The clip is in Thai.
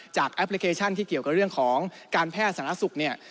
แอปพลิเคชันที่เกี่ยวกับเรื่องของการแพทย์สาธารณสุขเนี่ย